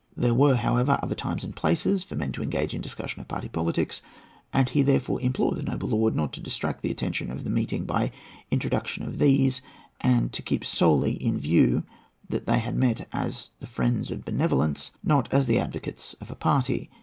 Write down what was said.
There were, however, other times and other places for men to engage in discussion of party politics, and he therefore implored the noble lord not to distract the attention of the meeting by the introduction of these; and to keep solely in view that they had met as the friends of benevolence, not as the advocates of a party.